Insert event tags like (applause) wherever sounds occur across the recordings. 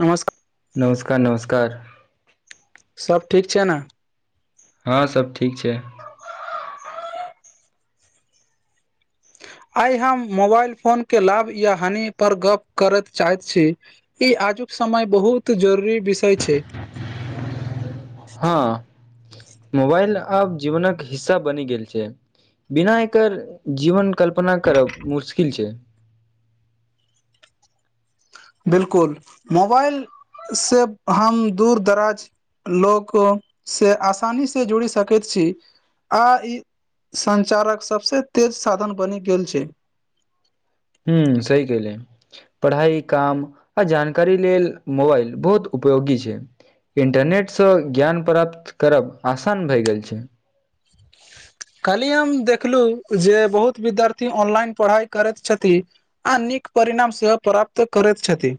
नमस्कार नमस्कार नमस्कार सब ठीक छै ने हँ सब ठीक छै आइ हम मोबाइल फोन के लाभ या हानि पर गप करैत चाहैत छी ई आजुक समय बहुत जरूरी विषय छै हँ मोबाइल आब जीवनक हिस्सा बनि गेल छै बिना एकर जीवन कल्पना करब मुश्किल छै बिलकुल मोबाइल से हम दूर दराज लोक से आसानी से जुड़ि सकैत छी आ इ संचारक सबसे तेज साधन बनि गेल छै हूं सही कहिले पढ़ाइ काम आ जानकारी लेल मोबाइल बहुत उपयोगी छै इन्टरनेट स ज्ञान प्राप्त करब आसान भए गेल छै कल्ही हम देखलु जे बहुत विद्यार्थी ऑनलाइन पढ़ाइ करति छथि आ नीक परिणाम सेहो प्राप्त करति छथि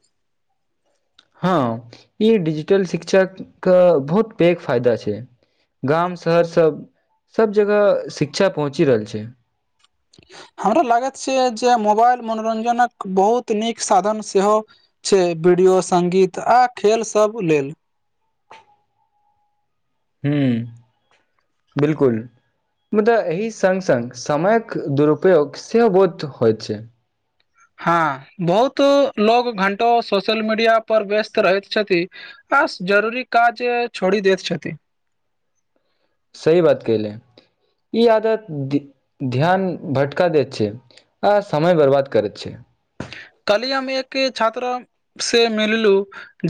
हँ ई डिजिटल शिक्षा क बहुत पैघ फायदा छै गाम शहर सब सब जगह शिक्षा पहुँची रहल छै हमरा लागत छै जे मोबाइल मनोरञजनक बहुत नीक साधन सेहो छै वीडियो सङ्गीत आ खेलसभ लेल हूं बिलकुल मुदा एहि संग संग समयक दुरूपयोग सेहो बहुत होइत छै हँ बहुत लोग घंटो सोशल मीडिया पर व्यस्त रहति छथि आ जरूरी काज छोड़ी देत छति सही बात केहले ई आदत ध्यान भटका दति छै आ समय बर्बाद करै छै कल्ही हम एक छात्रा से मिललु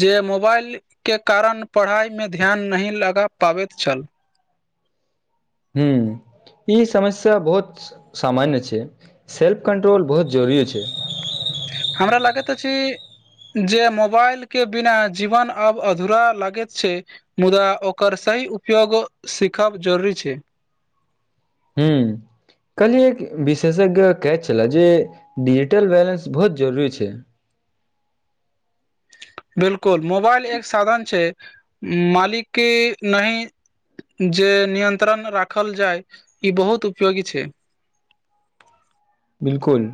जे मोबाइल के कारण पढ़ाइ मे ध्यान नहि लगा पाबति छल हू ई समस्या बहुत सामान्य छै (inaudible) सेल्फ कन्ट्रोल बहुत जरूरी छै। हमरा लागैत अछि जे मोबाइल केँ बिना जीवन आब अधूरा लगैत छै। मुदा ओकर सही उपयोग सीखब जरूरी छै हूँ कल्हि एक विशेषज्ञ कहै छले जे डिजिटल बैलेंस बहुत जरूरी छै बिल्कुल मोबाइल एक साधन छै मालिकी केँ नहीं जे नियन्त्रण राखल जाइ ई बहुत उपयोगी छै। बिल्कुल।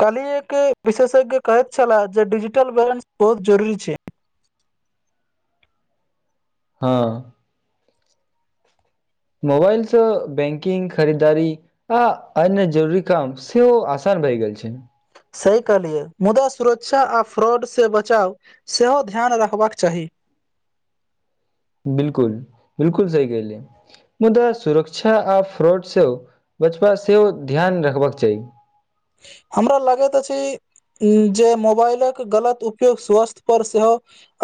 काल्हि एक विशेषज्ञ कहत छला जे डिजिटल बैलेंस बहुत जरूरी छै। हँ मोबाइलसँ बैंकिंग खरीदारी आ अन्य जरूरी काम सेहो ओ आसान भइ गेल छै सही कहलियै मुदा सुरक्षा आ फ्रॉड से बचाव सेहो ध्यान रखबाक चाही बिल्कुल बिल्कुल सही कलै मुदा सुरक्षा आ फ्रॉड सेहो बचबा सेहो ध्यान रखबाक चाही हमरा लगैत अछि जे मोबाइल कऽ गलत उपयोग स्वास्थ्य पर सेहो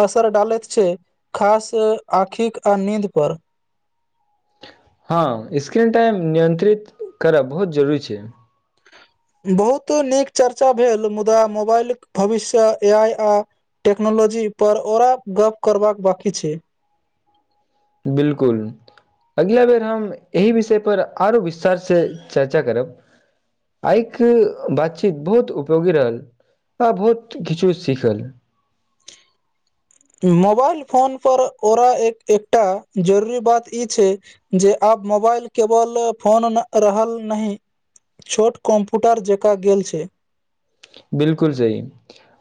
असर डालैत छै खास आँखिक आ नीद पर हँ स्क्रीन टाइम नियंत्रित करब बहुत जरूरी छै (inaudible) बहुत नीक चर्चा भेल मुदा मोबाइल कऽ भविष्य ए आइ आ टेक्नोलॉजी पर औरा गप करबाका बाकी छै बिल्कुल अगिला बेर हम एहि विषय पर आरो विस्तार से चर्चा करब आइ कऽ बातचीत बहुत उपयोगी रहल आ बहुत किछु सीखल मोबाइल फोन पर ओरा एक एकटा जरूरी बात ई छै जे आब मोबाइल केबल फोन रहल नही छोट कम्प्यूटर जका गेलेल छै बिल्कुल सही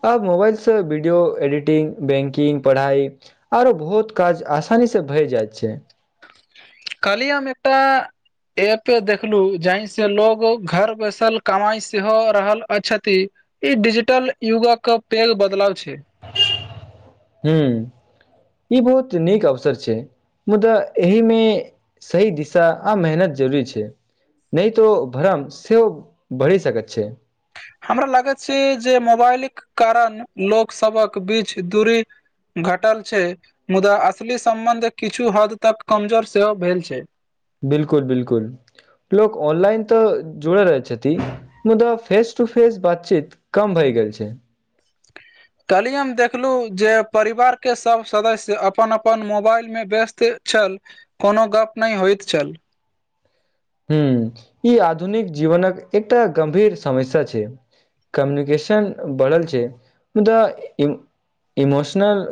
अब मोबाइल स वीडियो एडिटिंग बैंकिंग पढ़ाइ आर बहुत काज आसानी स भए जाइत छै कल्हि हम एकटा एप देखलू जाहि से लोग घर बैसल कमाई सेहो रहल अछ्ति ई डिजिटल युग कऽ पैघ बदलाव छै (unintelligible) हू ई बहुत नीक अवसर छै मुदा एहि में सही दिशा आ मेहनत जरूरी छै नहीं तो भरम सेहो भए सकैत छै हमरा लागैत छै जे मोबाइल केँ कारण लोक सभक बीच दूरी घटल छै मुदा असली सम्बन्ध किछु हद तक कमजोर सेहो भेल छै बिल्कुल बिल्कुल लोक ऑनलाइन तऽ जड़े रहै छथि मुदा फेस टू फेस बातचीत कम भइ गेल छै (unintelligible) कल्हि हम देखलु जे परिवार केँ सभ सदस्य अपन अपन मोबाइलमे व्यस्त छल कोनो गप नै होइत छल हूँ ई आधुनिक जीवनक एकटा गम्भीर समस्या छै कम्युनिकेशन बढ़ल छै मुदा ईम इमोशनल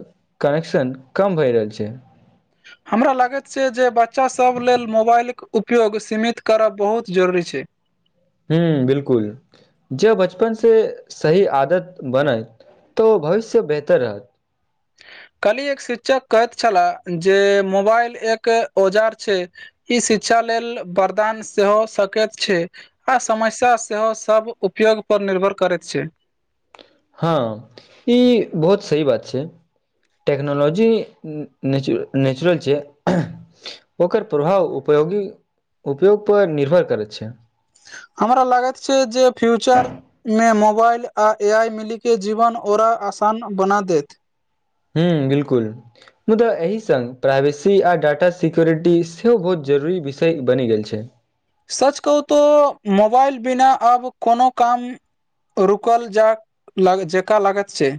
कनेक्शन कम भए रहल छै हमरा लागैत छै जे बच्चासब लेल मोबाइल क उपयोग सीमित करबाक बहुत जरूरी छै हूँ बिल्कुल जे बचपनसे सही आदत बनैत तऽ ओ भविष्य बेहतर रहत कल्हि एक शिक्षक कहैत छलाह जे मोबाइल एक औजार छै ई शिक्षा लेल वरदान सेहो सकैत छै आ समस्या सेहो सब उपयोग पर निर्भर करैत छै। हँ ई बहुत सही बात छै। टेक्नोलॉजी नेचु नेचुरल छै। ओकर प्रभाव उपोगी उपयोगप निर्भर करै छै हमरा लागत छै जे फ्यूचर मे मोबाइल आ ए आइ मिलीके जीवन ओरा आसान बना देत हूँ बिल्कुल मुदा एहि सङ्ग प्राइवेसी आ डाटा सिक्यूरिटी सेहो बहुत जरूरी विषय बनि गेल छै। सच कहू तो मोबाइल बिना अब कोनो काम रुकल जाक लग जकाँ लागत छै।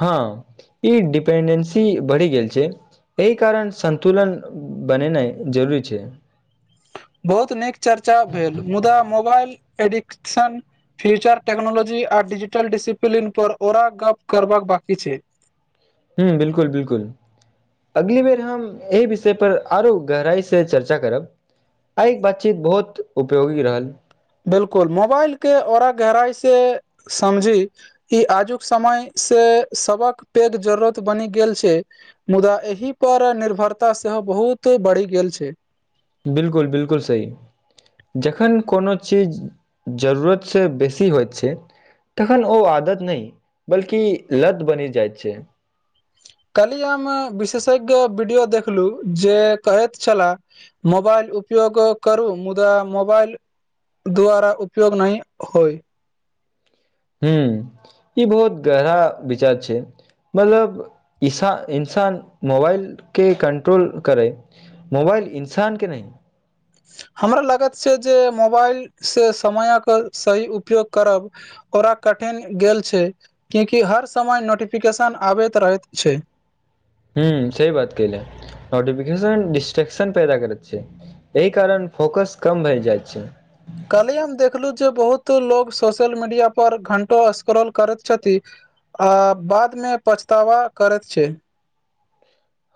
हँ ई डिपेंडेंसी बढ़ि गेल छै। एहि कारण सन्तुलन बनेनाइ जरूरी छै। बहुत नीक चर्चा भेल मुदा मोबाइल एडिक्शन फ्यूचर टेकनोलॉजी आ डिजिटल डिसिप्लिन पर ओरा गप करबाक बाकी छै। हूँ बिल्कुल बिलकुल अगली बेर हम एहि विषय पर आरो गहराई से चर्चा करब। आइ बतचीत बहुत उपयोगी रहल। बिल्कुल मोबाइल के औरा गहराइ से समझी ई आजुक समय से सबहक पैघ जरूरत बनि गेल छै। मुदा एहि पर निर्भरता सेहो बहुत बढ़ि गेल छै। बिल्कुल बिल्कुल सही। जखन कोनो चीज जरूरतसँ बेसी होइत छै तखन ओ आदत नै बल्कि लद बनि जाइत छै। कल्हि हम विशेषज्ञ वीडियो देखलु जे कहैत छला मोबाइल उपयोग करू मुदा मोबाइल द्वारा उपयोग नहि होय। हूँ ई बहुत गहरा विचार छै। मतलब इसा इन्सान मोबाइलके कंट्रोल करै मोबाइल इन्सान के नै हमरा लगत से जे मोबाइलसे समयक सही उपयोग करब ओरा कठिन गेल छै किएकि हर समय नोटिफिकेशन आबैत रहैत छै। हूँ सही बात कैले नोटिफिकेशन डिस्ट्रेक्शन पैदा करैत छै। एहि कारण फोकस कम भए जाय छै। कल्ही हम देखलु जे बहुत लोग सोशल मीडिया पर घंटो स्क्रॉल करैत छथि। आ बादमे पछतावा करत छै।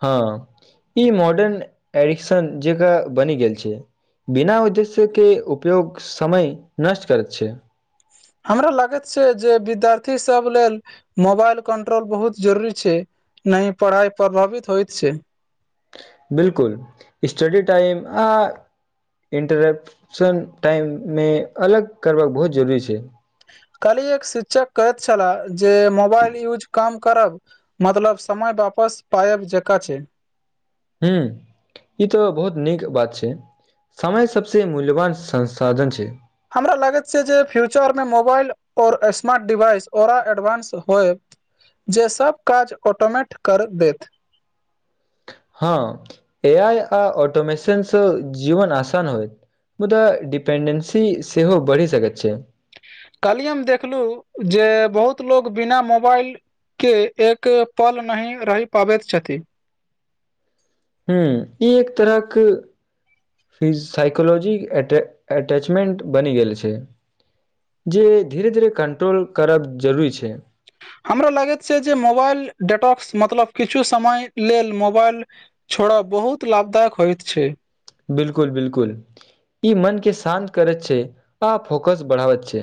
हँ ई मॉडर्न एरिक्शन जेकां बनि गेल छै। बिना उद्देश्यके उपयोग समय नष्ट करैत छै। हमरा लागत छै जे विद्यार्थी सब लेल मोबाइल कंट्रोल बहुत जरूरी छै नहि पढ़ाई प्रभावित होइत छै बिलकुल स्टडी टाइम आ इन्टरेप्शन टाइम मे अलग करबक बहुत जरूरी छै काल्ही एक शिक्षक कहैत छलाह जे मोबाइल यूज कम करब मतलब समय वापस पायब जेका छै हूं ई तऽ बहुत नीक बात छै समय सबसे मूल्यवान संसाधन छै हमरा लागति छै जे फ्यूचर मे मोबाइल ओर स्मार्ट डिवाइस ओरा एडवांस होइ जे सब काज ऑटोमेैट कर देत हँ एआइ आ ऑटोमेशनसँ जीवन आसान होइत मुदा डिपेंडेन्सी सेहो बढ़ि सकति छै कल्ही हम देखलू जे बहुत लोक बिना मोबाइल के एक पल नहि रहि पाबति छथि हूं ई एक तरहक फिज साइकोलॉजी अटैच अटैचमेन्ट बनि गेल छै जी धीरे धीरे कंट्रोल करब जरूरी छै हमरा लागति छै जे मोबाइल डेटाक्स मतलब किछु समय लेल मोबाइल छोड़ब बहुत लाभदायक होइत छै बिलकुल बिलकुल ई मनके शान्त करैत छै आ फोकस बढ़ावति छै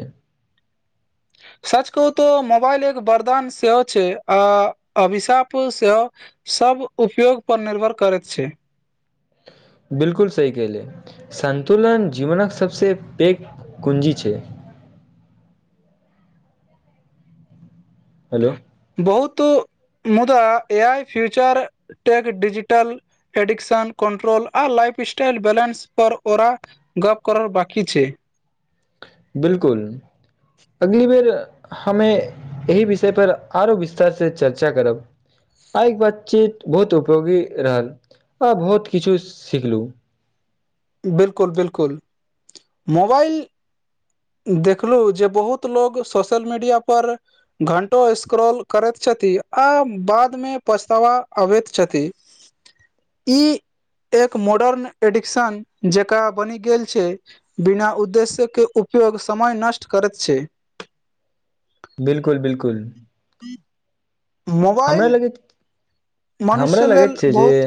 सच कहू तोऽ मोबाइल एक वरदान सेहो छै आ अभिशाप सेहो सब उपयोग पर निर्भर करति छै बिलकुल सही केहलिए संन्तुलन जीवनक सबसँ पैघ कुंजी छै हेलो बहुत मुदा ए आइ future tech digital addiction control आ लाइफ स्टाइल बैलेंस पर ओरा गप करल बाकी छै बिलकुल अगली बेर हमे एहि विषय पर आरो विस्तार से चर्चा करब आइ के बातचीत बहुत उपयोगी रहल आ बहुत किछु सिखलु बिलकुल बिलकुल मोबाइल देखलू जे बहुत लोक सोशल मीडिया पर घंटो स्क्रॉल करति छथि आ बाद मे पछतावा अबति छथि (inaudible) ई एक मॉडर्न एडिक्शन जेकां बनि गेल छै बिना उद्देश्यके उपयोग समय नष्ट करति छै बिलकुल बिलकुल हमरा मोबाइल लगति हमरा मनुष्य लेल लगति छै जे बहुत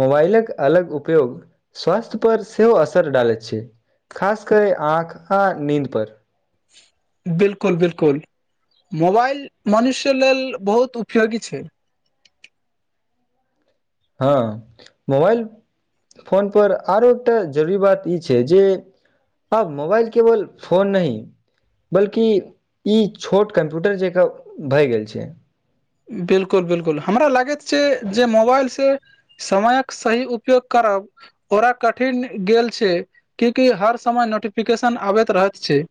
मोबाइलक अलग उपयोग स्वास्थ्य पर सेहो असर डालै छै खासकर आँख आ नीन्द पर बिलकुल बिलकुल मोबाइल मनुष्य लेल बहुत उपयोगी छै हँ मोबाइल फोनपर आओरो एकटा जरूरी बात ई छै जे आब मोबाइल केवल फोन नहि बल्कि ई छोट कम्प्यूटर जेका भए गेल छै बिलकुल बिलकुल हमरा लागैत छै जे मोबाइल से समयक सही उपयोग करब (unintelligible) कठिन गेल छै कियकि हर समय नोटिफिकेशन आबैत रहैत छै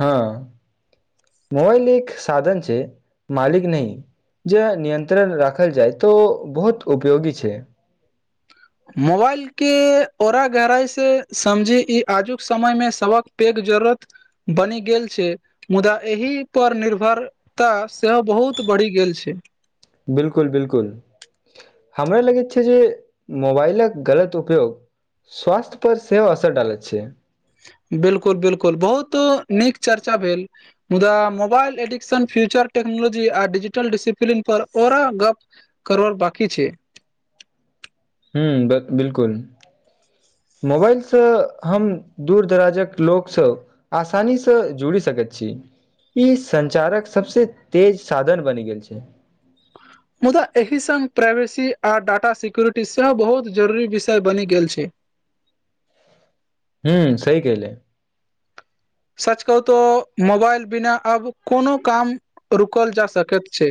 हँ मोबाइल एक साधन छै मालिक नहि जे नियंत्रण राखल जाय त बहुत उपयोगी छै मोबाइल के औरा गहराइ से समझी ई आजुक समय मे सबकेँ पैघ जरूरत बनि गेल छै मुद्दा एहि पर निर्भरता सेहो बहुत बढ़ि गेल छै बिल्कुल बिल्कुल हमरा लगैत छै जे मोबाइलक गलत उपयोग स्वास्थ्य पर सेहो असर डालैत छै बिलकुल बिलकुल बहुत नीक चर्चा भेल मुदा मोबाइल एडिक्शन फ्यूचर टेक्नोलॉजी आ डिजिटल डसिप्लीन पर आउरो गप करब बाकी छै हँ बिलकुल मोबाइलसँ हम दूर दराजक लोकसँ आसानीसँ जुड़ि सकैत छी ई संचारक सबसे तेज साधन बनि गेल छै मुद्दा एहि संग प्राइवेसी आ डाटा सिक्यूरिटी सेहो बहुत जरूरी विषय बनि गेल छै हूँ सही कहले सच कहू तो मोबाइल बिना आब कोनो काम रुकल जा सकैत छै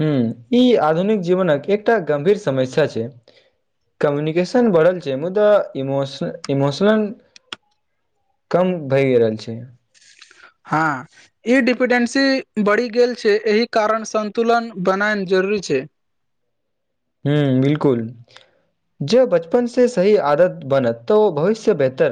हुँ ई आधुनिक जीवनक एकटा गंभीर समस्या छै कम्युनिकेशन बढ़ल छै मुदा इमोशन इमोशनल कम भए रहल छै हाँ ई डिपेंडेंसी बढ़ि गेल छै एहि कारण संन्तुलन बनायन जरूरी छै ह बिलकुल जब बचपन से सही आदत बनत तऽ ओ भविष्य बेहतर